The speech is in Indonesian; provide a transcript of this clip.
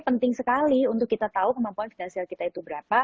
penting sekali untuk kita tahu kemampuan finansial kita itu berapa